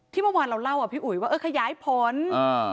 เมื่อวานเราเล่าอ่ะพี่อุ๋ยว่าเออขยายผลอ่า